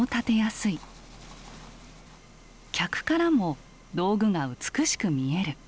客からも道具が美しく見える。